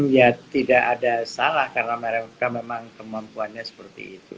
ya tidak ada salah karena mereka memang kemampuannya seperti itu